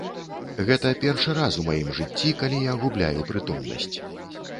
Гэта першы раз у маім жыцці, калі я губляю прытомнасць.